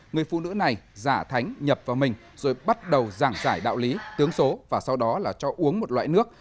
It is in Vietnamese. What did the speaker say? người phụ nữ này giả thánh nhập vào mình rồi bắt đầu giảng giải đạo lý tướng số và sau đó là cho uống một loại nước